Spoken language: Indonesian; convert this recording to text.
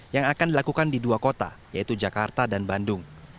yang akan dilakukan di dua kota yaitu jakarta dan bandung